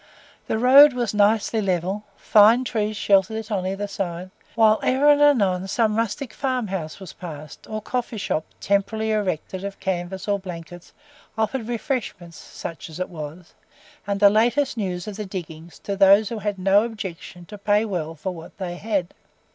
The road was nicely level, fine trees sheltered it on either side, whilst ever and anon some rustic farm house was passed, or coffee shop, temporarily erected of canvas or blankets, offered refreshment (such as it was), and the latest news of the diggings to those who had no objection to pay well for what they had.